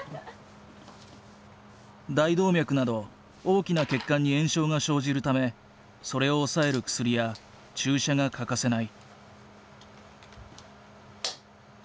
大動脈など大きな血管に炎症が生じるためそれを抑える薬や注射が欠かせない。